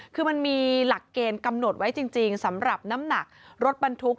คือมันมีหลักเกณฑ์กำหนดไว้จริงสำหรับน้ำหนักรถบรรทุก